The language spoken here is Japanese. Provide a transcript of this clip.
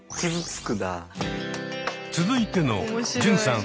続いての純さん